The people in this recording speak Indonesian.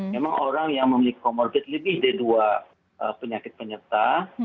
memang orang yang memiliki comorbid lebih dari dua penyakit penyerta